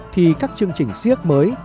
thì các chương trình siếc mới